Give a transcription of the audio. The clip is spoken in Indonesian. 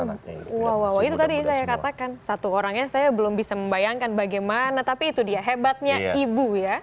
wow itu tadi saya katakan satu orangnya saya belum bisa membayangkan bagaimana tapi itu dia hebatnya ibu ya